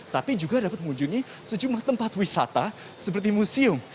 tapi juga dapat mengunjungi sejumlah tempat wisata seperti museum